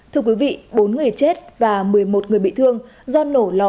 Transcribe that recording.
thưa quý vị bốn người chết và một mươi một người bị thương do nổ lò